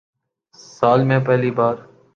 سال میں پہلی بار